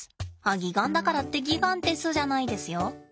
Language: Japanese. あっ擬岩だからってギガンテスじゃないですよ。